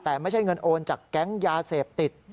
แต่ไม่ใช่เงินโอนจากแก๊งยาเสพติด